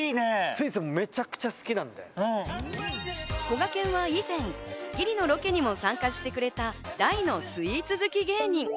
こがけんは以前、『スッキリ』のロケにも参加してくれた大のスイーツ好き芸人。